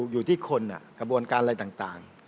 อยู่ที่คนกระบวนการอะไรต่าง